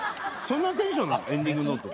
そんなテンションなの？